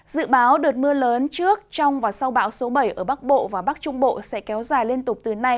dự báo đợt mưa lớn trước trong và sau bão số bảy ở bắc bộ và bắc trung bộ sẽ kéo dài liên tục từ nay